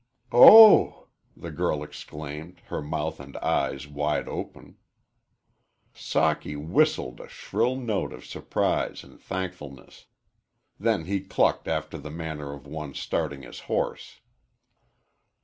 "Oh!" the girl exclaimed, her mouth and eyes wide open. Socky whistled a shrill note of surprise and thankfulness. Then he clucked after the manner of one starting his horse.